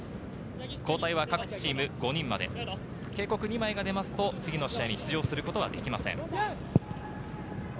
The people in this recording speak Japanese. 交代は各チーム５人まで、警告２枚が出ますと次の試合に出場することができません。